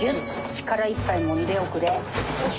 力いっぱいもんでおくれ。